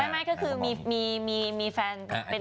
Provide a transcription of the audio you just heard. ไม่ก็คือมีแฟน